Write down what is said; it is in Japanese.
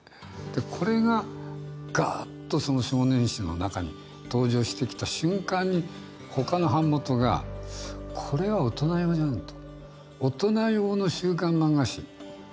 これがガッとその少年誌の中に登場してきた瞬間に他の版元がこれは大人用じゃんと。